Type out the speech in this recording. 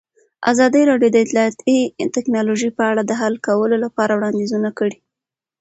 ازادي راډیو د اطلاعاتی تکنالوژي په اړه د حل کولو لپاره وړاندیزونه کړي.